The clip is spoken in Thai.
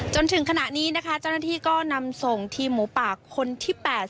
จนถึงขณะนี้นะคะเจ้าหน้าที่ก็นำส่งทีมหมูปากคนที่๘๐